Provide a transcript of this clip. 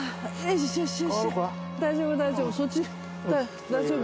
大丈夫大丈夫。